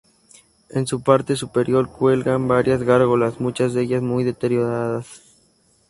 En su parte superior cuelgan varias gárgolas, muchas de ellas muy deterioradas.